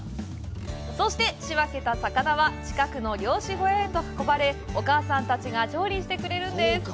そして、仕分けた魚は近くの漁師小屋へと運ばれ、お母さんたちが調理してくれるんです。